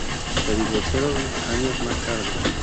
Se divorciaron años más tarde.